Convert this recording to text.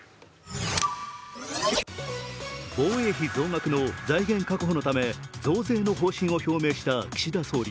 防衛費増額の財源確保のため増税の方針を表明した岸田総理。